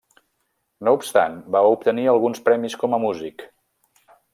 No obstant va obtenir alguns premis com a músic.